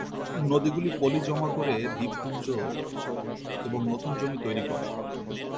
নদীগুলি পলি জমা করে দ্বীপপুঞ্জ এবং নতুন জমি তৈরি করে।